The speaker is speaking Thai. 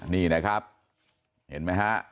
นี่นะครับเห็นไหมฮะ